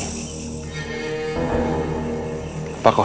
apa yang kamu inginkan